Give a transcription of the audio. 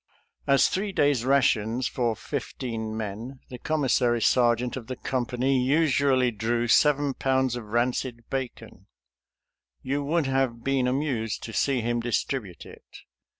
As three days' rations for fifteen men the commissary sergeant of the company usually drew seven pounds of rancid bacon. You would have been amused to see him distribute it.